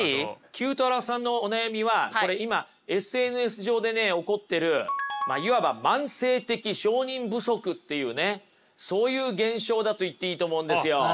９太郎さんのお悩みはこれ今ＳＮＳ上で起こってるまあいわば慢性的承認不足っていうねそういう現象だと言っていいと思うんですよ。